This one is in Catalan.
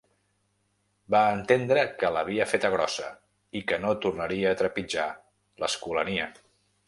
Va entendre que l'havia feta grossa i que no tornaria a trepitjar l'Escolania.